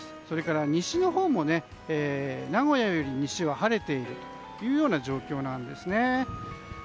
それから、西のほうも名古屋より西は晴れているという状況なんですね。